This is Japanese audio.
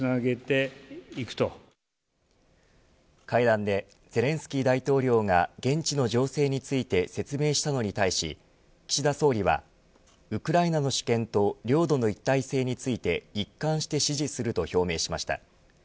会談でゼレンスキー大統領が現地の情勢について説明したのに対し岸田総理は、ウクライナの主権と領土の一体性について一貫して支持すると表明しました。